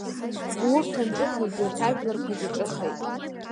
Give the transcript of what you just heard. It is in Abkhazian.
Уырҭ анҿыха агьырҭ ажәларқәагьы ҿыхеит.